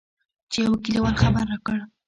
چې يوه کليوال خبر راکړ.